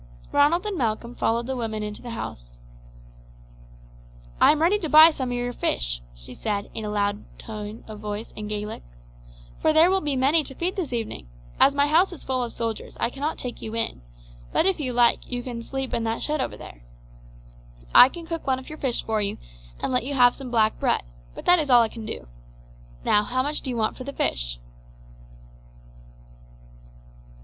Ronald and Malcolm followed the woman into the house. "I am ready to buy some of your fish," she said in a loud tone of voice in Gaelic, "for there will be many to feed this evening; as my house is full of soldiers I cannot take you in, but if you like you can sleep in that shed over there. I can cook one of your fish for you, and let you have some black bread; but that is all I can do. Now, how much do you want for the fish?"